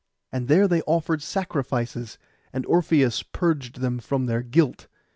And there they offered sacrifices, and Orpheus purged them from their guilt.